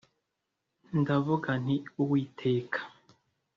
ndavuga nti “Uwiteka